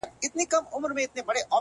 ما بيا وليدی ځان څومره پېروز په سجده کي;